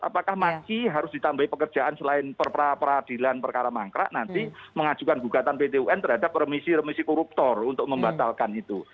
apakah masih harus ditambahi pekerjaan selain perpera peradilan perkara mangkrak nanti mengajukan gugatan pt un terhadap remisi remisi koruptor untuk membatalkan itu